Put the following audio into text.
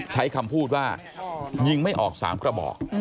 ใช้คำพูดว่ายิงไม่ออก๓กระบอก